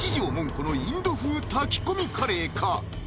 このインド風炊き込みカレーか？